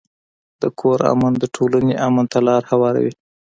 د کور امن د ټولنې امن ته لار هواروي.